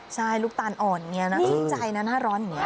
ใช่ลูกตาลอ่อนอย่างนี้นะชื่นใจนะหน้าร้อนอย่างนี้